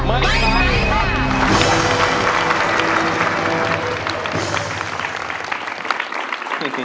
ไม่ใช้ค่ะ